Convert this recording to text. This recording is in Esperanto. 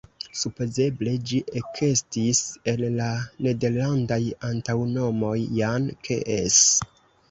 Supozeble ĝi ekestis el la nederlandaj antaŭnomoj "Jan-Kees".